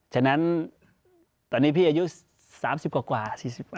ฉะนั้นตอนนี้พี่อายุ๓๐กว่า๔๕